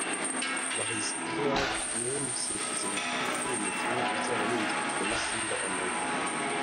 Bahizi Edouard niwe musifuzi mukuru kuri uyu mukino uzaba yungirijwe na Simba Honore